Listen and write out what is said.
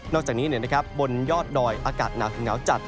จากนี้บนยอดดอยอากาศหนาวถึงหนาวจัด